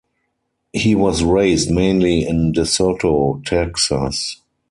He was raised mainly in DeSoto, Texas.